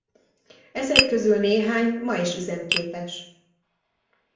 Ezek közül néhány ma is üzemképes.